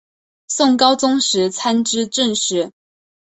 宋高宗时参知政事。